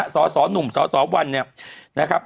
สสหนุ่มสสวันนะครับ